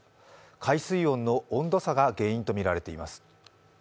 海水温の温度差が原因とみられています。